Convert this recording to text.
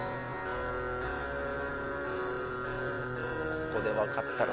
ここで分かったら